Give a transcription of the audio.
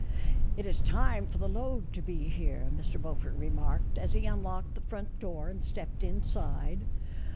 " It is time for the load to be here," Mr. Beaufort remarked, as he unlocked the front door and stepped inside.